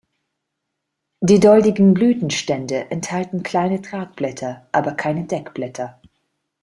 Die doldigen Blütenstände enthalten kleine Tragblätter, aber keine Deckblätter.